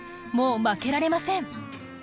もう負けられません。